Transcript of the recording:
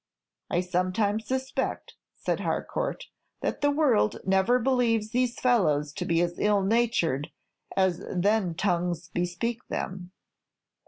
"I sometimes suspect," said Harcourt, "that the world never believes these fellows to be as ill natured as then tongues bespeak them."